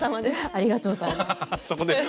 ありがとうございます。